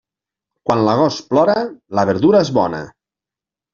Quan l'agost plora, la verdura és bona.